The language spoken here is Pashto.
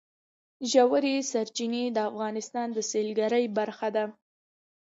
ژورې سرچینې د افغانستان د سیلګرۍ برخه ده.